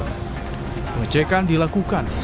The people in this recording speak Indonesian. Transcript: pengecekan dilakukan sebelum penyidik menemukan vina dan eki